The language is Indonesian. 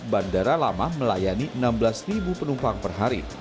bandara lama melayani enam belas penumpang per hari